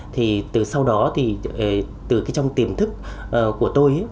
thì từ sau đó thì từ trong tiềm thức của tôi